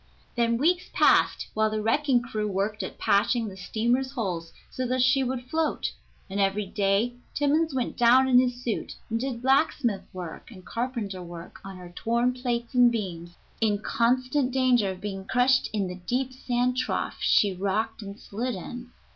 Then weeks passed while the wrecking crew worked at patching the steamer's holes so that she would float, and every day Timmans went down in his suit and did blacksmith work and carpenter work on her torn plates and beams, in constant danger of being crushed in the deep sand trough she rocked and slid in.